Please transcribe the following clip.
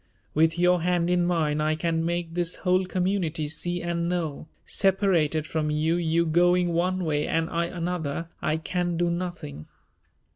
With your hand in mine I can make this whole community see and know; separated from you, you going one way and I another, I can do nothing.